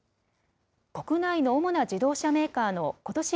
国内の主な自動車メーカーのことし